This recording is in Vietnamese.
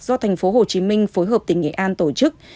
do tp hcm phối hợp tỉnh nghệ an tổ chức